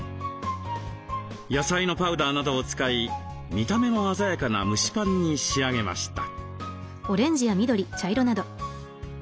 野菜のパウダーなどを使い見た目も鮮やかな蒸しパンに仕上げました。